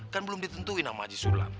kan belum ditentuin sama haji sulam